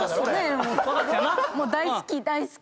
もう大好き大好き。